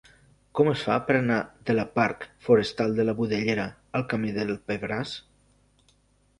Com es fa per anar de la parc Forestal de la Budellera al camí del Pebràs?